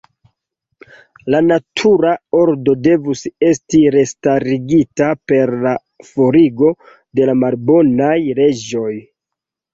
La natura ordo devus esti restarigita per la forigo de la malbonaj leĝoj.